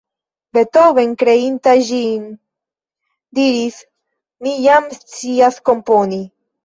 Beethoven, kreinta ĝin, diris: "Mi jam scias komponi".